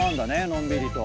のんびりと。